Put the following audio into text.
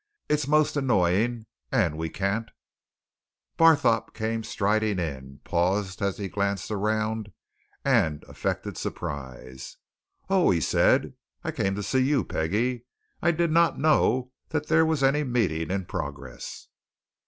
"It's most annoying, and we can't " Barthorpe came striding in, paused as he glanced around, and affected surprise. "Oh!" he said. "I came to see you, Peggie I did not know that there was any meeting in progress."